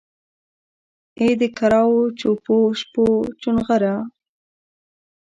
ای دکرارو چوپو شپو چونغره!